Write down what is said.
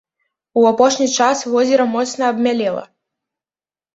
У апошні час возера моцна абмялела.